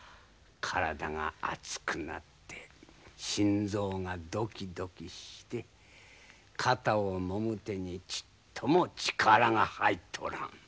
体が熱くなって心臓がどきどきして肩をもむ手にちっとも力が入っとらん。